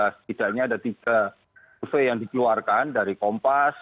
setidaknya ada tiga survei yang dikeluarkan dari kompas